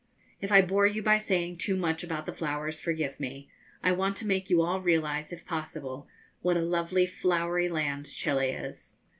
If I bore you by saying too much about the flowers, forgive me. I want to make you all realise, if possible, what a lovely flowery land Chili is.